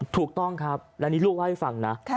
ถูกต้องครับและนี่ลูกเล่าให้ฟังนะ